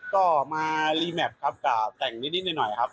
ก็มาคับก่อแจ่งนิดหน่อยครับ